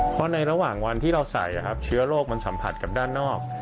เพราะในระหว่างวันที่เราใส่เชื้อโรคมันสัมผัสกับด้านนอก